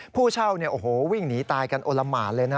ผู้เช่าวิ่งหนีตายกันโอละหมานเลยนะ